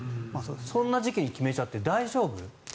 そんな時期に決めて大丈夫？